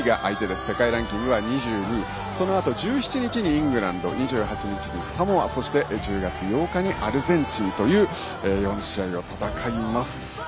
世界ランキングは２２位そのあと１７日にイングランド２８日にサモア１０月８日にアルゼンチンという４試合を戦います。